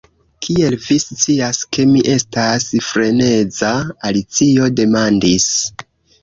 "Kiel vi scias ke mi estas freneza?" Alicio demandis.